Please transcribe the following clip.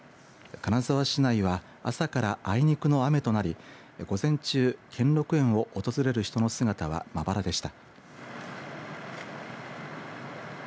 金沢市内は朝からあいにくの雨となり午前中、兼六園を訪れる人の姿はまばらでした。